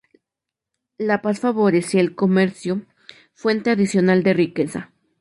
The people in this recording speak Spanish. La paz favorecía el comercio, fuente adicional de riqueza.